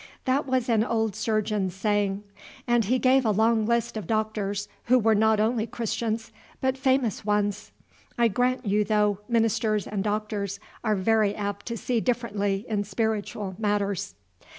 That was an old surgeon's saying. And he gave a long list of doctors who were not only Christians, but famous ones. I grant you, though, ministers and doctors are very apt to see differently in spiritual matters."